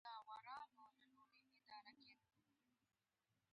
وزې د خټې پر سر هم روانېږي